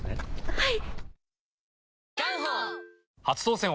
はい！